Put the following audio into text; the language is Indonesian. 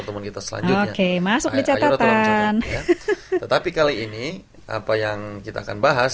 mari berjalan ke sion